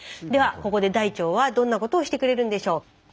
ではここで大腸はどんなことをしてくれるんでしょう？